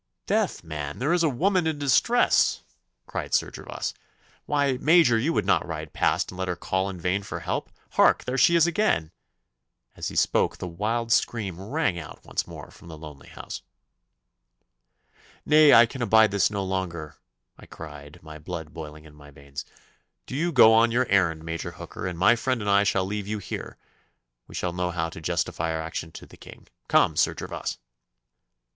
'Death, man! there is a woman in distress,' cried Sir Gervas. 'Why, Major, you would not ride past and let her call in vain for help? Hark, there she is again!' As he spoke the wild scream rang out once more from the lonely house. 'Nay, I can abide this no longer,' I cried, my blood boiling in my veins; 'do you go on your errand, Major Hooker, and my friend and I shall leave you here. We shall know how to justify our action to the King. Come, Sir Gervas!